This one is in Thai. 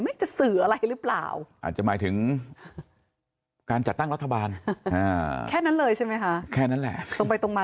จะสื่ออะไรหรือเปล่าอาจจะหมายถึงการจัดตั้งรัฐบาลแค่นั้นเลยใช่ไหมคะแค่นั้นแหละตรงไปตรงมา